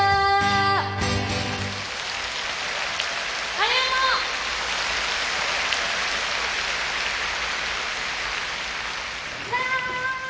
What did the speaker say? ありがとう！わあ！